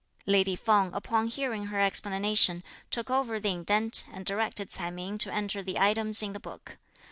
Lady Feng, upon hearing her explanation, took over the indent, and directed Ts'ai Ming to enter the items in the book.